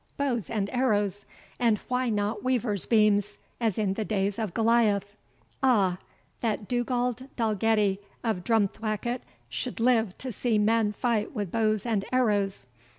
Bows and arrows! and why not weavers' beams, as in the days of Goliah? Ah! that Dugald Dalgetty, of Drumthwacket, should live to see men fight with bows and arrows!